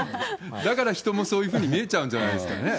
だから人もそういうふうに見えちゃうんじゃないですかね。